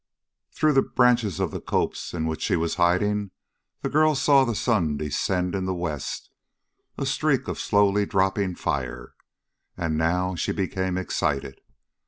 32 Through the branches of the copse in which she was hidden, the girl saw the sun descend in the west, a streak of slowly dropping fire. And now she became excited.